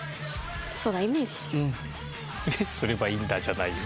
「イメージすればいいんだ」じゃないよ。